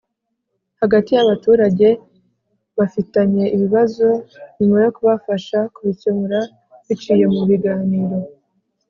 hagati y’abaturage bafitanye ibibazo nyuma yo kubafasha kubikemura biciye mu biganiro.